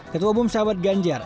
ketua umum sahabat ganjar